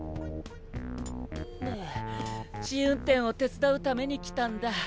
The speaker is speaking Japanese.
ああ試運転を手伝うために来たんだ。